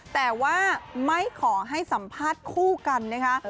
แต่ว่าไม่ขอให้สัมภาษณ์คู่กันนะคะ